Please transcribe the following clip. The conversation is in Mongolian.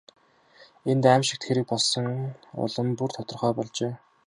Энд аймшигт хэрэг болсон нь улам бүр тодорхой болжээ.